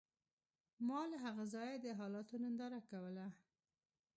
ما له هغه ځایه د حالاتو ننداره کوله